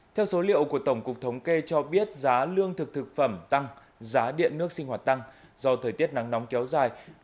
theo số liệu của tổng cục thống kê cho biết giá lương thực thực phẩm tăng giá điện nước sinh hoạt tăng do thời tiết nắng nóng kéo dài